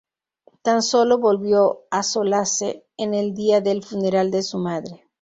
Tan solo volvió a Solace en el día del funeral de su madre.